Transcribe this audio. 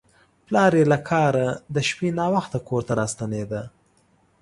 پلار یې له کاره د شپې ناوخته کور ته راستنېده.